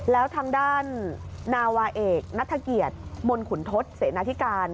แล้วทางด้านนาวาเอกนัฐเกียรติมนขุนทศเสนาธิการ